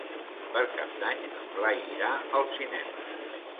Per Cap d'Any en Blai irà al cinema.